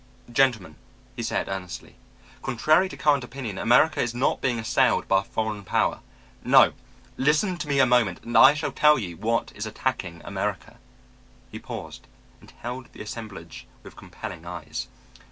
"Gentlemen," he said earnestly, "contrary to current opinion, America is not being assailed by a foreign power. No! Listen to me a moment and I shall tell you what is attacking America." He paused and held the assemblage with compelling eyes.